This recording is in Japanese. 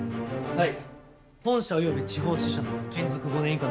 はい。